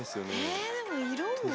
えでも色も。